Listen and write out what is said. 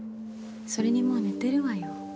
それにもう寝てるわよ。